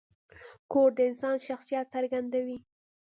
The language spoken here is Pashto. کور د انسان شخصیت څرګندوي.